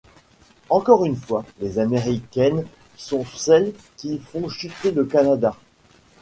Encore une fois, les Américaines sont celles qui font chuter le Canada.